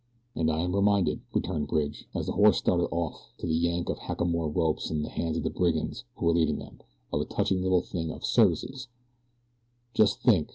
"And I am reminded," returned Bridge, as the horses started off to the yank of hackamore ropes in the hands of the brigands who were leading them, "of a touching little thing of Service's: Just think!